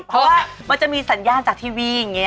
เพราะว่ามีสัญญาณจากทีวี